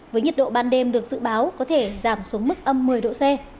với nhiệt độ ban đêm được dự báo có thể giảm xuống mức âm một mươi độ c